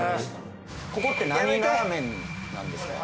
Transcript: ここって何ラーメンなんですか？